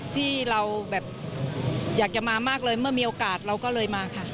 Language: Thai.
ที่เราแบบอยากจะมามากเลยเมื่อมีโอกาสเราก็เลยมาค่ะ